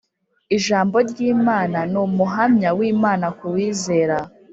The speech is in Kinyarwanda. Ijambo ry'Imana ni umuhamya w'Imana k’uwizera